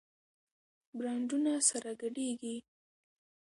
برانډونه سره ګډېږي.